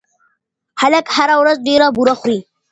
خلک هره ورځ ډېره بوره خوري.